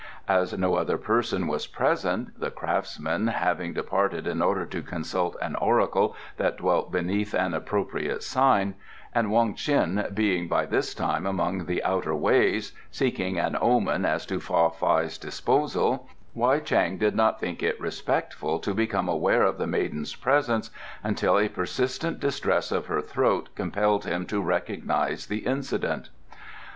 As no other person was present, the craftsmen having departed in order to consult an oracle that dwelt beneath an appropriate sign, and Wong Ts'in being by this time among the Outer Ways seeking an omen as to Fa Fai's disposal, Wei Chang did not think it respectful to become aware of the maiden's presence until a persistent distress of her throat compelled him to recognize the incident.